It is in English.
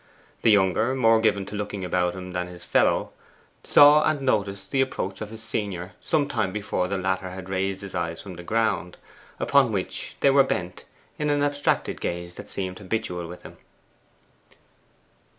The younger, more given to looking about him than his fellow, saw and noticed the approach of his senior some time before the latter had raised his eyes from the ground, upon which they were bent in an abstracted gaze that seemed habitual with him.